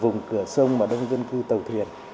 vùng cửa sông mà đông dân cư tàu thuyền